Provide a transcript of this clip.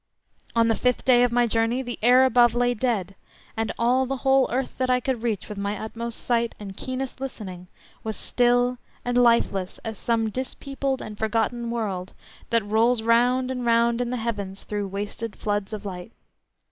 On the fifth day of my journey the air above lay dead, and all the whole earth that I could reach with my utmost sight and keenest listening was still and lifeless as some dispeopled and forgotten world that rolls round and round in the heavens through wasted floods of light.